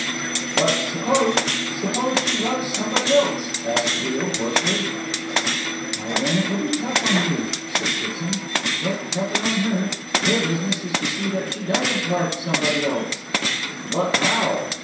"But, suppose suppose she loves somebody else?" asked Beale hoarsely. "Why then it will be tough on you," said Kitson, "but tougher on her. Your business is to see that she doesn't love somebody else." "But how?"